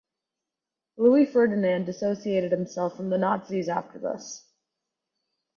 Louis Ferdinand dissociated himself from the Nazis after this.